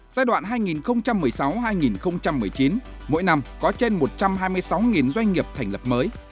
giai đoạn hai nghìn một mươi sáu hai nghìn một mươi chín mỗi năm có trên một trăm hai mươi sáu doanh nghiệp thành lập mới